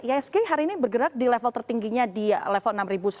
iasg hari ini bergerak di level tertingginya di level enam satu ratus dua puluh tujuh